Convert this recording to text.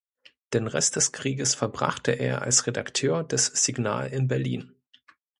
Den Rest des Krieges verbrachte er als Redakteur des "Signal" in Berlin.